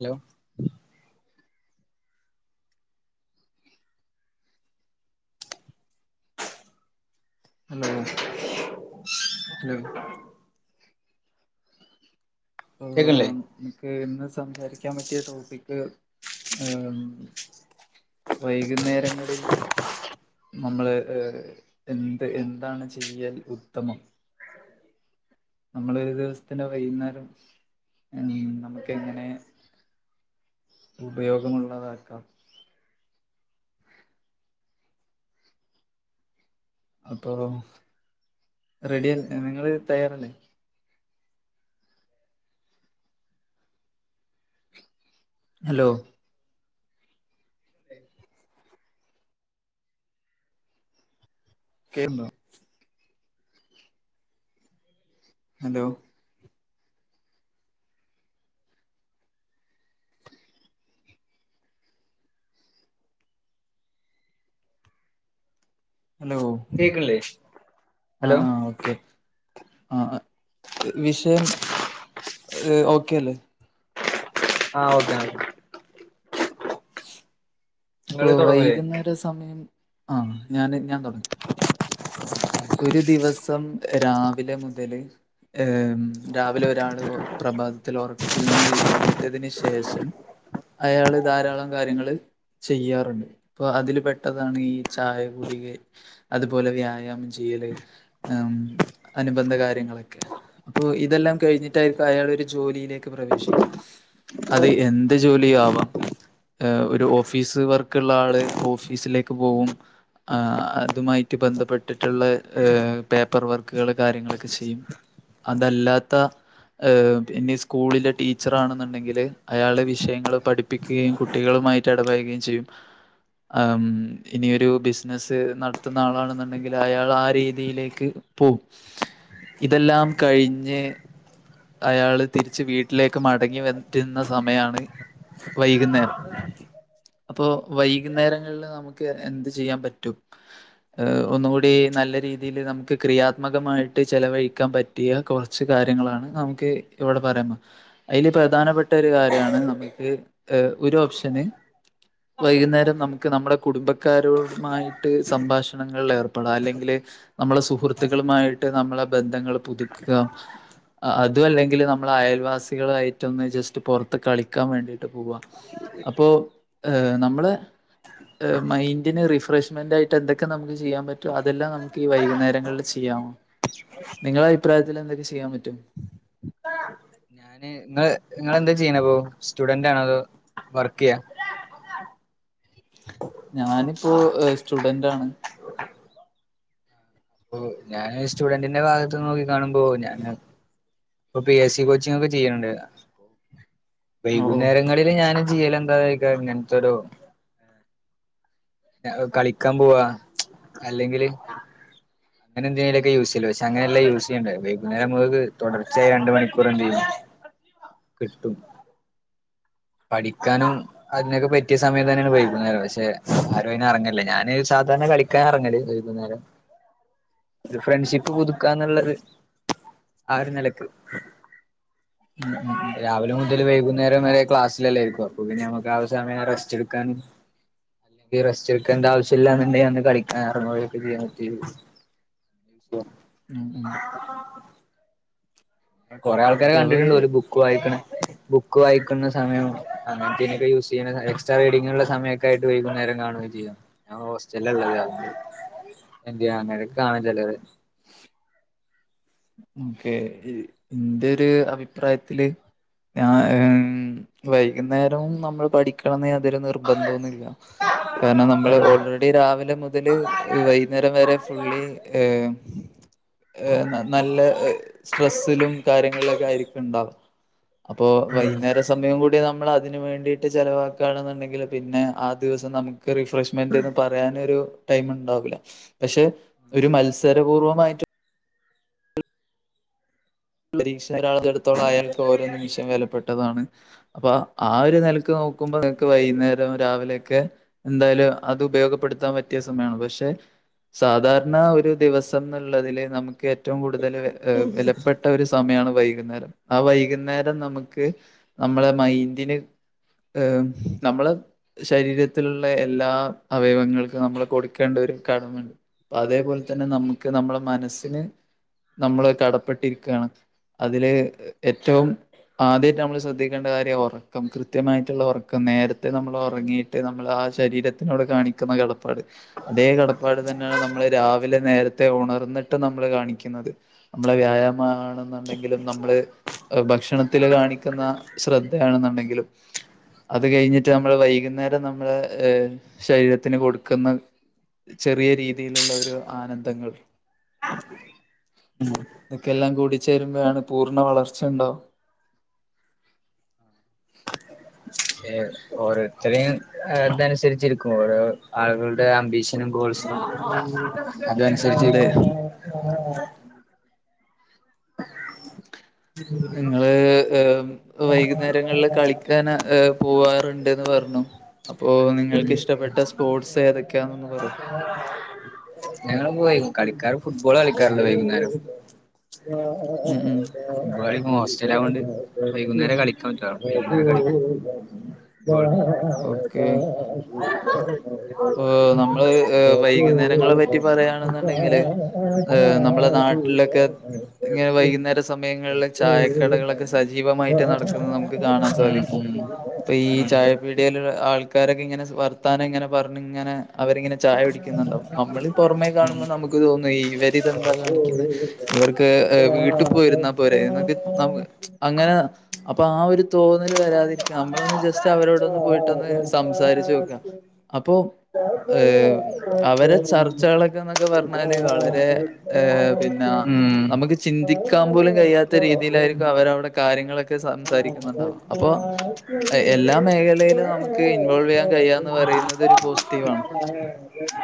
Hello hello അ [unintelligible] ഏഹ് കേൾക്കണില്ലേ നമുക്ക് ഇന്ന് സംസാരിക്കാൻ പറ്റിയ ടോപ്പിക്ക് വൈകുന്നേരങ്ങളിൽ നമ്മള് എന്ത് എന്താണ് ചെയ്യാൻ ഉത്തമം നമ്മള് ഒരു ദിവസത്തിന്റെ വൈകുന്നേരം ഉ നമുക്ക് എങ്ങനെ ഉപയോഗമുള്ളതാക്കാം അപ്പോറെഡിയല്ലേ നിങ്ങള് തയ്യാറല്ലേ ഹലോ കേൾക്കുന്നുണ്ടോ ഹലോ ഹലോ കേക്കണില്ലേ ആ ഹലോ ആ ഓക്കെ ആ വിഷയം ഓക്കെ അല്ലേ ആ ഓക്കെ അപ്പൊ നിങ്ങള് തുടങ്ങൂലേ വൈകുന്നേര സമയം ആ ഞാന് ഞാൻ തുടങ്ങി ഒരു ദിവസം രാവിലെ മുതല് ഏയ്‌ രാവിലെ ഒരാൾ പ്രഭാതത്തിൽ ഉറക്കത്തിൽ നിന്ന് എഴുന്നേറ്റതിന് ശേഷം അയാള് ധാരാളം കാര്യങ്ങള് ചെയ്യാറുണ്ട് ഇപ്പൊ അതിൽ പെട്ടതാണ് ഈ ചായ കുടിയേ അതുപോലെ വ്യായാമം ചെയ്യല് ഉ അനുബന്ധ കാര്യങ്ങളൊക്കെ അപ്പൊ ഇതെല്ലാം കഴിഞ്ഞിട്ടായിരിക്കും അയാൾ ഒരു ജോലിയിലേക്ക് പ്രവേശിക്കുക അത് എന്ത് ജോലിയും ആവാം ഒരു ഓഫീസ് വർക്കുള്ള ആള് ഓഫീസിലേക്ക് പോകും ആ അതുമായിട്ട് ബന്ധപ്പെട്ടിട്ടുള്ള പേപ്പർ വർക്കുകൾ കാര്യങ്ങളൊക്കെ ചെയ്യും അതല്ലാത്ത ആഹ് പിന്നെ സ്കൂളിലെ ടീച്ചറാണെന്നുണ്ടെങ്കില് അയാള വിഷയങ്ങള് പഠിപ്പിക്ക്കയും കുട്ടികളുമായി ഇടപയുകയും ചെയ്യും ആ ഇനിയൊരു ബിസിനസ്സ് നടത്തുന്ന ആളാണെന്നുണ്ടെങ്കിൽ അയാൾ ആ രീതിയിലേക്ക് പോകും ഇതെല്ലാം കഴിഞ്ഞ് അയാള് തിരിച്ച് വീട്ടിലേക്ക് മടങ്ങി വറ്റുന്ന സമയാണ് വൈകുന്നേരം അപ്പൊ വൈകുന്നേരങ്ങളില് നമുക്ക് എ എന്ത് ചെയ്യാൻ പറ്റും ഹ ഒന്നുകൂടി നല്ല രീതിൽ നമുക്ക് ക്രിയാത്മകമായിട്ട് ചലവഴിക്കാൻ പറ്റ് റ്റിയ കുറച്ച കാര്യങ്ങളാണ് നമുക്ക് ഇവിടെ പറയ്ന്ന് അയില് പ്രധാനപ്പെട്ട ഒരു കാര്യാണ് നമുക്ക് ഹ് ഒരു ഓപ്ഷന് വൈകുന്നേരം നമുക്ക് നമ്മുടെ കുടുംബക്കാരു മായിട്ട് സംഭാഷണങ്ങളിൽ ഏർപ്പെടാം അല്ലെങ്കിൽ നമ്മളെ സുഹൃത്തുക്കളുമായിട്ട് നമ്മളെ ബന്ധങ്ങൾ പുതുക്കുക അതും അല്ലെങ്കിൽ നമ്മൾ അയൽവാസികളയിട്ടൊന്ന് ജസ്റ്റ് പുറത്ത് കളിക്കാൻ വേണ്ടിട്ട് പോവാ അപ്പോ ഹ് നമ്മള് മൈൻഡിന് റിഫ്രഷ്മെന്റായി ട്ട്, എന്തൊക്കെ നമുക്ക് ചെയ്യാൻ പറ്റോ അതെല്ലാം നമുക്ക് ഈ വൈകുന്നേരങ്ങളിൽ ചെയ്യാം. നിങ്ങള അയ്പ്രായത്തിലെന്തൊക്കെ ചെയ്യാ പറ്റും? ഞാന് ങ്ങള് ങ്ങള്ന്താ ചെയ്യണെപ്പോ? സ്റ്റുഡന്റാണോ അതോ വർക്കെയ്യാ. ഞാനിപ്പോ ഹ് സ്റ്റുഡന്റാണ്. ഓ ഞാന് സ്റ്റുഡന്റിന്റെ ഭാഗത്ത് നോക്കി കാണുമ്പോ ഞാന് ഇപ്പൊ പി എസ് സി കോച്ചിങ് ക്കെ ചെയ്യണുണ്ട്. ഓ വൈകുന്നേരങ്ങളില് ഞാന് ചെയ്യലഎന്താ [unintelligible] ഇങ്ങനത്തൊരു ല കളിക്കാൻ പോവാ അല്ലെങ്കില് അങ്ങനെന്തേലുക്കെ യൂസ് ചെയ്യല പശ് അങ്ങനെല്ല യൂസ് ചെയ്യേണ്ട വൈകുന്നേരമ്മക്ക് തുടർച്ചയ രണ്ട് മണിക്കൂർ എന്ത് യ്ന്ന്. കിട്ടും പഠിക്കാനും അതിനൊക്കെ പറ്റിയ സമയതന്നേണ് വൈക്ന്നേരം പക്ഷെ ആരും അയ്ന് റങ്ങലില്ല ഞാന് സാധാരണ കളി ക്കാറെങ്ങല് വൈക്ന്നേരം. ത് ഫ്രണ്ട്ഷിപ്പ് പുതുക്കാന്ന്ള്ളത് ആ ഒരു നെലക്ക് രാവിലെ മു വൈകുന്നേരം വരെ ക്ലാസ്സിലല്ലേരിക്കും അപ്പ പിന്ന നമക്ക് ആ സമയ റസ്റ്റ്ടുക്കാൻ റസ്റ്റ് എടുക്കേണ്ട ആവശ്യല്ലന്നുണ്ടെങ്കിലന്ന് കളിക്കാ എറങ്ങ [unintelligible] [unintelligible] കൊറെ ആൾക്കാരെ ഓക്കെ അപ്പൊ കണ്ടിട്ടുണ്ട് ഓല് ഒരു ബുക്ക് വായിക്ണെ. ബുക്ക് വായിക്കുന്ന സമയം അങ്ങനതീനൊക്കെ യൂസ് ചെയ്യുന്ന എക്സ്ട്രാ റീഡിങ്ള്ള സമയ ക്കെആയിട്ട് വൈകുന്നേരം കാണുഎ ചെയ്യാ ഞാ ഹോസ്റ്റലാള്ളത്. എന്ത് നാ അങ്ങനക്ക് കാണാ ചേലോലെ. ഓക്കെ എന്റെ ഒരു അഭിപ്രായത്തില് ഞാ ഹും വൈകുന്നേരോം നമ്മള് പഠിക്കണംന്ന് യാതോര് നി ർബന്തോന്നുല്ല കാരണം നമ്മള് ഉം ഓൾറെ ർഡി രാവിലെ മുതല് വൈകുന്നേരം വരെ ഫുള്ളി ഏ ഏഹ് നല്ല സ്ട്രെസിലും കാര്യങ്ങളിലൊക്കെ ആയിരിക്കുംണ്ടാവ അപ്പോ വൈന്നേരസ് സമയം കൂടി നമ്മൾ അതിന് വേണ്ടീട്ട് ചെലവാക്കാണ്ന്നുണ്ടെങ്കില് പിന്നെ ആ ദിവസം നമുക്ക് റിഫ്രഷ് മെന്റന് പറയാനോരു ടൈമ്ണ്ടാവില്ല പക്ഷെ ഒരു മത്സരപൂർവമായിട്ട് പരീക്ഷ ഒരാളടുത്തോളം അയാൾക്ക് ഓരോ നിമിഷം വെലപ്പെട്ടതാണ്. അപ്പൊ ആ, ആ ഒരു നെല ക്ക് നോക്കുമ്പോ നിങ്ങക്ക് വയ്ന്നേരം രാവിലെക്കെ എന്തായാലും അത് ഉപയോഗപ്പെടുത്താൻപറ്റിയ സമയാണ്. പക്ഷെ സാധാരണ ഒരു ദിവസംന്നുള്ളതില് നമുക്ക് ഏറ്റവും കൂടുതല് വെല ട്ടഒരു സമയാണ് വൈക്ന്നേരം. ആ വൈകുന്നേരം നമുക്ക് നമ്മളെ മൈന്റിന് നമ്മള് ശരീരത്തിലുള്ള എല്ലാ അവയവങ്ങൾക്കും നമ്മൾ കൊടുക്കേണ്ട ഒരുകടമണ്ട്. അപ്പ അതേപോലെ തന്നെ നമുക്ക് നമ്മട മനസ്സിന് നമ്മള് കടപ്പെട്ടിരി ക്കാണ് അതില് ഏറ്റവും ആദ്യമായിട്ട് നമ്മൾ ശ്രദ്ധിക്കേണ്ട കാര്യ ഒറ ക്കം, കൃത്യമായിട്ട്ള്ള ഒറക്കം നേരത്തെ നമ്മളോറങ്ങിയിട്ട് നമ്മൾ ആ ശരീരത്തിനോട് കാണിക്കുന്ന കട പ്പാട് അതേ കടപ്പാട് തന്നാണ് നമ്മള് രാവിലെ നേര ത്തെ ഉണർന്നിട്ട് നമ്മള് കാണിക്കുന്നത്. നമ്മളെ വ്യായാമ ന്നുണ്ടെങ്കിലും നമ്മള് ഭക്ഷണത്തില് കാണിക്കുന്ന ശ്രദ്ധയാണെന്നുണ്ടെങ്കിലും അത് കഴിഞ്ഞിട്ട് നമ്മള് വൈകുന്നേരം നമ്മള് ശരീരത്തിന് കൊടുക്കുന്ന ചെറിയ രീതിയിലുള്ള ഒരു ആനന്ദങ്ങൾ. ഉം. ഇതൊക്കെല്ലാം കൂടി ചേരുമ്പഴാണ് പൂർണ്ണ വളർച്ചണ്ടാവ. ഏർ ഓരോ ഇത്രയും ഇതനുസരിച്ചിരിക്കും ഓരോ ആളുകളുടെ അംമ്പീഷനും, ഗോൾസും അതെ അതനുസരിച്ചിക്കും. നിങ്ങള് വൈകുന്നേരങ്ങളില് കളിക്കാന പോവാറുണ്ട്ന്ന് പറഞ്ഞു. അപ്പോ ഉം നിങ്ങൾക്ക് ഇഷ്ടപ്പെട്ട സ്പോർട്സ് ഏതൊക്കെയാന്നൊന്ന് പറൂ ആ ഞങ്ങള് പോയും കളിക്കാറ് ഫുട്ബോള് കളിക്കാറ്ണ്ട് വൈകുന്നേരം ഉം ഉം [unintelligible] ഹോസ്റ്റലാ കൊണ്ട് വൈകുന്നേരം കളിക്കാൻറ്റൂല [unintelligible] ഉ ഓഹ് നമ്മള് വൈകുന്നേരങ്ങളെ പറ്റി പറയാണെന്നുണ്ടെങ്കില് ഏഹ് നമ്മളുടെ നാട്ടിലൊക്കെ ഇങ്ങനെ വൈകുന്നേര സമയങ്ങൾല് ചായക്കടകളൊക്കെ സജ് ജീവമായിട്ട് നടക്കുന്നത് നമുക്ക് കാണാൻ സാധിക്കും ഇപ്പൊ ഈ ചായപ്പീടിയേൽ ആൾ ക്കാരൊക്കെ ഇങ്ങനെ വർത്താനം ഇങ്ങനെ പറഞ്ഞ് ഇങ്ങനെ അവരിങ്ങനെ ചായ കുടിക്കുന്നുണ്ടാവും നമ്മളി പുറമെ കാണുമ്പോൾ നമുക്ക് തോന്നു ഈ ഇവരിതെന്താ കാണിക്കുന്നെ ഇവർക്ക് വീട്ടിൽ പോയിരുന്നാൽ പോരെ എന്നൊക്കെ ന അങ്ങനെ അപ്പൊ ആ ഒരു തോന്നൽ വരാതിരിക്ക നമ്മളൊന്ന് ജസ്റ്റ് അവരോട ഒന്ന് പോയിട്ടൊന്ന് ഉം ഉം സംസാരിച്ചു നോക്കുക ഉം അപ്പൊ ഏഹ് അവരെ ഉം ചർച്ചകളൊക്കെ എന്നൊക്കെ പറഞ്ഞാല് വളരെ ഏഹ് പിന്ന നമുക്ക് ചിന്തിക്കാൻ പോലും കഴിയാത്ത രീതിയിലായിരിക്കും അവരവിടെ കാര്യങ്ങളൊക് ക്കെ സംസാരിക്കുന്നുണ്ടാവാ അപ്പോ എ എല്ലാ മേഖലയിലും നമുക്ക് ഇൻവോൾവ് ചെയ്യാൻ കഴിയാന്ന് പറയുന്ന ത് ഒരു പോസിറ്റീവാണ്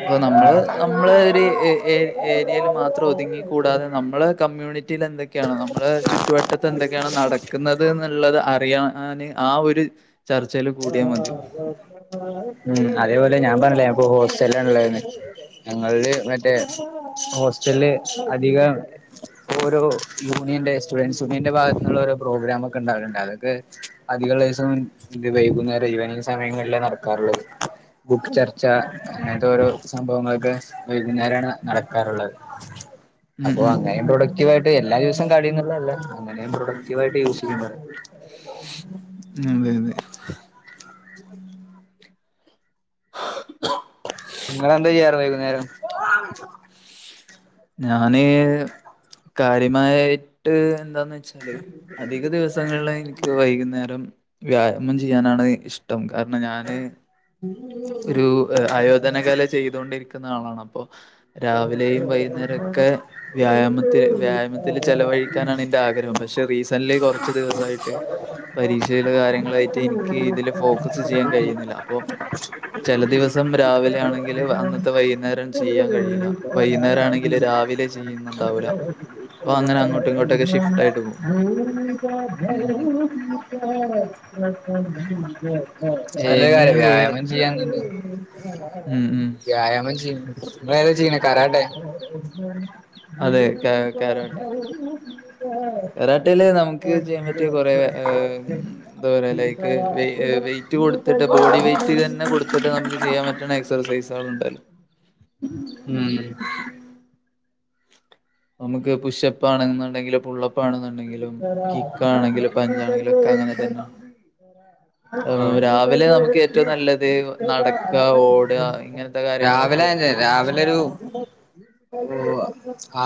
അപ്പൊ നമ്മള് നമ്മള ഒരു ഏ ഏ ഏരിയയിൽ മാത്രം ഒതുങ്ങി ആ കൂടാതെ നമ്മളെ കമ്മ്യൂണിറ്റി റ്റീല് എന്തൊക്കെയാണ് നമ്മുടെ ചുറ്റുവട്ടത്ത് എന്തൊക്കെയാണ് നടക്കുന്നത് എന്നുള്ളത് അറിയാന് ആ ഒരു ചർച്ചയിൽ കൂടിയാൽ മതിയാവും. ഉം അതേപോലെ ഞാൻ പറഞ്ഞില്ലേ ഞാൻപ്പോ ഹോസ്റ്റലാ ഉള്ളേന്ന് ഞങ്ങളില് മറ്റേ ഹോസ്റ്റളില് അധികം ഓരോ യൂണിയന്റെ സ്റ്റുഡന്റ്സ് യൂണിയന്റെ ഭാഗത്ത നിന്നുള്ള ഓരോ പ്രോഗ്രാംമ ഒക്കെ ഉണ്ടാകലുണ്ട് അതൊക്കെ അധികള്ളേസം ഇത് വൈകുന്നേരം ഈവിനിംഗ് സമയങ്ങളിലാ നടക്കാറുള്ളത്. ബുക്ക് ചർച്ച അങ്ങനത്തെ ഓരോ സംഭവങ്ങളൊക്കെ വൈകുന്നേരമാണ് നടക്കാറുള്ളത് ഉം അപ്പൊ ഉം അങ്ങനെന്റോട് ആക്ടിവായിട്ട് എല്ലാ ദിവസം കടയിന്ന്ള്ളെല്ല. അങ്ങനെയും പ്രൊഡക്ടീവായിട്ട് യൂസ് ചെയ്യുമ്പൊഴാണ് അതെ അതെ ആ നിങ്ങളെന്താ ചെയ്യാറ് വൈകുന്നേരം? ആ ഞാന് കാര്യമായിട്ട് എന്താന്ന് വെച്ചാ അധിക ദിവസങ്ങളില് എനിക്ക് വൈകുന്നേരം വ്യായാമം ചെയ്യാനാണ് ഇഷ് ട്ടം കാരണം ഞാന് ഒരു ആയോധന കല ചെയ്തൊണ്ടിരിക്കുന്ന ആളാണ് അപ്പം രാവിലെയും വൈ വ്യായാമത്തില് ചെലവഴിക്കാനാണ് എന്റെ ആ ആഗ്രഹം. പക്ഷെ റീസെന്റ്ലി കുറച്ച് ദിവസായിട്ട് പരീക്ഷയിലെ ആ കാര്യങ്ങളായിട്ട് എനിക്ക് ഇതില് ഉ ചില ദിവസം രാവിലെ ആണെങ്കില് അന്നത്തെ വൈകുന്നേരം ചെയ്യാൻ കഴിയില്ല വൈകുന്നേരം ആണെങ്കിൽ അപ്പൊ ഉ അങ്ങനെ അങ്ങോട്ടും ഇങ്ങോട്ടൊക്കെ ഷിഫ്റ്റ് ആയിട്ട് പോകും [inaudible] നല്ലൊ കാര്യം എനിവേ വ്യായാമം ചെയ്യാൻ ഉം ഉം വ്യായാമം ചെയ്യുന്നു നമ്മളേതാ ചെയ്യ്ണേ ക്കാരാട്ടേ അതെ [inaudible] കരാട്ടേല് നമുക്ക് ചെയ്യാൻ പറ്റിയ കുറെ ഏ എന്താ പറയാ ലൈക്ക് വെ വെയ് റ്റ് കൊടുത്തിട്ട് ബോഡി വൈറ്റ് തന്നെ കൊടുത്തിട്ട് നമുക്ക് ചെയ്യാൻ പറ്റ്ണ എക്സസൈസുകള് ഉണ്ട് ഉം നമുക്ക് പുഷ്യപ്പാണെന്നുണ്ടെങ്കിൽ [inaudible] പുള്ളപ് പഞ്ചാണെങ്കിലും ഒക്കെ അങ്ങനെ തന്നെ ഏഹ് ആഹ് രാവിലെ നമുക്ക് ഏറ്റവും നല്ലത് നടക്കുക ഓടുക ഇങ്ങനത്തെ രാവിലെ കാര്യങ്ങളൊക്കെ ഞാൻ ചെയ്യും രാവിലൊരു ഒരൂ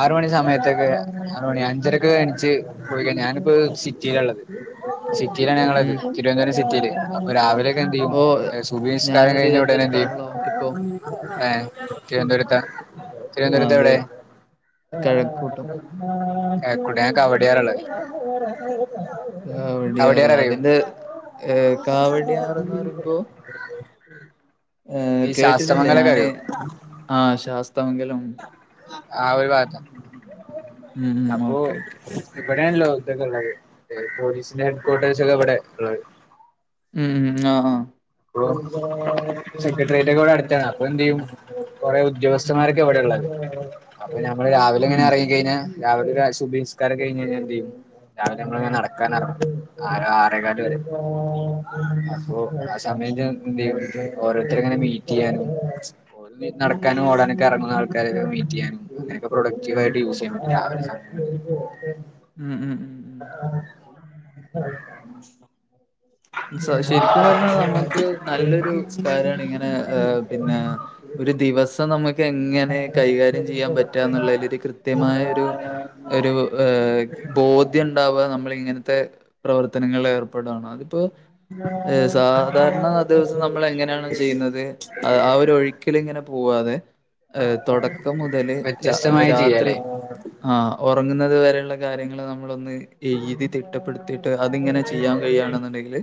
ആറ്മണിസമയത്തൊക്കെ ആറുമണി അഞ്ചരൊക്കെ കഴിഞ്ച് പോയിക്ക ഞാനിപ്പോ സിറ്റിയിലാള്ളത് സിറ്റിയിലാണ് ഉം ഞങ്ങളത് ഉം തിരുവനന്തപുരം സിറ്റിയില് അപ്പൊ രാവിലെയൊക്കെ എന്ത് ചെയ്യും ഓ സുബ്ഹ് നിസ്‌കാരം ഞാനും കഴിഞ്ഞ ഉടനെ എന്ത് ചെയ്യും? തിരുവനന്തപുരത്താണല്ലോ ഇപ്പോ ഏ തിരുവനന്തപുരത്താ? ആ, തിരുവനന്തപുരത്ത് അതെ എവിടെ? കഴക്കൂട്ടം [unintelligible] അവ്ടയാള്ളത് കാവടിയാറ് അതിന്റെ ഏ കാവടിയാറെന്ന് പറയുമ്പോ? ആ ഈ കേട്ടിട്ടുണ്ട് ശാസ്ത്രമംഗലൊക്കെ ഞാന് അറിയോ ആ ശാസ്താമംഗലം ആ ഒരു ഭാഗത്താ ഉം ഉം അപ്പൊ ഓക്കെ ഓക്കെ ഇവിടെയാണല്ലോ ഇതൊക്കെ ഉള്ളത് പോലീസിന്റെ ഹെഡ്കോർട്ടേഴ്സ് ഒക്കെ ഇവിടെള്ളത് ഉം ഉം ആഹ് ആഹ് സെക്രട്ടേറിയേറ്റൊക്കെ ഇവ്ടെ അടുത്താ അപ്പൊ എന്തെയ്യും? കൊറേ ഉദ്യോഗസ്ഥന്മാരൊക്കെ എവിടെ ഉള്ളത് അപ്പൊ ഞമ്മള് രാവിലെ ഇങ്ങനെ ഉം എറങ്ങിക്കഴിഞ്ഞാൽ രാവിൽക്കതെ സുബ്ഹിനിസ്കാരം കഴിഞ്ഞ്കയിഞ്ഞാൽ എന്ത് ചെയ്യും? രാവിലെ നങ്ങള്ങ്ങെനെ നടക്കാനിറങ്ങും ആറ് ആറേകാല് വരെ അപ്പൊ സമയത്ത് എന്ത് ചെയ്യും ഓരോരുത്തരെങ്ങനെ മീറ്റ് ചെയ്യാനും നടക്കാനും ഓടാനൊക്കെ ഇറങ്ങുന്ന ആൾക്കാരെ മീറ്റ് ചെയ്യാനും എനിക്ക് ഉം പ്രൊഡക്റ്റീവായിട്ട് യൂസ് ചെയ്യാൻ പറ്റും രാവിലെ സമയം ഉം ഉം ഉം ആ സ ശരിക്കും പറഞ്ഞാൽ നമുക്ക് നല്ലൊരു കാര്യാണ് ഇങ്ങനെ പിന്നെ ഒരു ദിവസം നമുക്ക് എങ്ങനെ കൈകാര്യം ചെയ്യാൻ പറ്റാ എന്നുള്ളതിൽ ഒരു കൃത്യമായ ഒരു ഒരു വേ ബോധ്യണ്ടാവാ നമ്മൾ ഇങ്ങനത്തെ പ്രവർത്തനങ്ങളിൽ ഏർപ്പെടാനാണ് അതിപ്പോ ഏ സാധാരണ ദിവസം നമ്മൾ എങ്ങനെയാണ് ചെയ്യുന്നത്? അ ആ ഒരു ഒഴുക്കിലിങ്ങനെ പോവാതെ ഏ തുടക്കം മുതല് ല രാത്രി ചെയ്യാലേ ആ ഉറങ്ങുന്നത് വരെയുള്ള കാര്യങ്ങള്ൾ നമ്മളൊന്ന് എഴുതി തിട്ടപ്പെടുത്തിയിട്ട് അതിങ്ങനെ ചെയ്യാൻ കഴിയാണെന്നുണ്ടെങ്കില്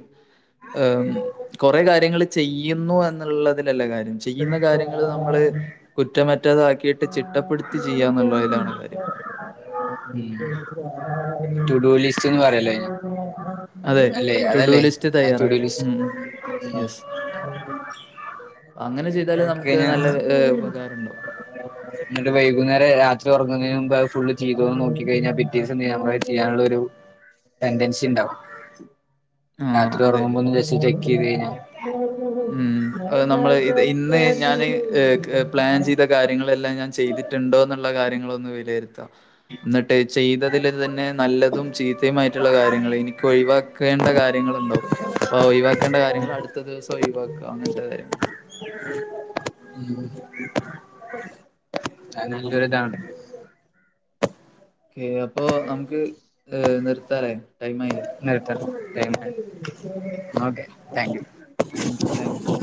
കുറെ കാര്യങ്ങൾ ചെയ്യുന്നു എന്നുള്ളതിലല്ല കാര്യം ചെയ്യുന്ന കാര്യങ്ങള് നമ്മള് കുറ്റമറ്റതാക്കിയിട്ട് ചിട്ടപ്പെടുത്തി ചെയ്യാന്നുള്ളതിലാണ് കാര്യം ഉം റ്റുഡു ലിസ്റ്റ് ന്ന് പറീല്ലേ അതെ റ്റുഡൂ ലിസ്റ്റ് തയ്യാറാക്കാ ലിസ്റ്റ് ഉം യെസ് അങ്ങനെ അങ്ങനൊക്കെ ചെയ്താല് നമുക്ക് നല്ല ഏ ഉപകാരം ഉണ്ടകും ന്നിട്ട് വൈകുന്നേരം രാത്രി ഉറങ്ങുന്നതിന് മുമ്പ് അത് ഫുള്ള് ചെയ്തോന്ന് നോക്കികയിഞ്ഞാ പി ത്യാസണ്ടെങ്കിൽ ആ സമയത്ത് ചെയ്യാനുള്ള ഒരു ടെൻ്റെൻസിണ്ടാവും ആ രാത്രി അതെ. ഉറങ്ങുമ്പൊ ഒന്നു ജസ്റ്റ് ചെക്ക് ചെയ്ത് കഴിഞ്ഞാൽ ഉം അത് നമ്മള് ഇത് ഇന്ന് ഞാന് ക് പ്ലാൻ ചെയ്ത കാര്യങ്ങളെല്ലാം ഞാൻ ചെയ്തിട്ടുണ്ടോന്ന്ള്ള കാര്യങ്ങളൊന്നു വിലയിരുത്താം ന്നട്ട് ചെയ്തതിൽ തന്നെ നല്ലതും, ചീത്തയുമായിട്ടുള്ള കാര്യങ്ങളെനിക്കൊഴിവാ ക്കേണ്ട കാര്യങ്ങ ളുണ്ടാവും. അപ്പൊ ആ ഒഴിവാക്കേണ്ട കാര്യങ്ങൾ അടുത്ത ദിവസം ഒഴിവാക്ക അങ്ങനത്തെ കാര്യങ്ങൾ അത് നല്ലൊരിതാണ് ഏ അപ്പോ നമുക്ക് ഏ നിർത്തലെ ടൈമായില്ലേ നിർത്താം. ടൈമായി okay thank you thank you. Thank you